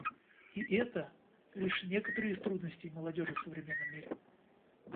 И это — лишь некоторые из трудностей молодежи в современном мире.